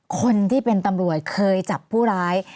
คนที่เป็นตำรวจเคยจับผู้ร้าย